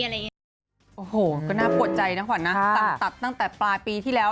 โอ้โหก็น่าปวดใจนะขวัญนะสั่งตัดตั้งแต่ปลายปีที่แล้ว